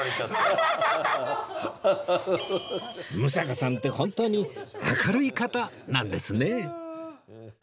六平さんってホントに明るい方なんですね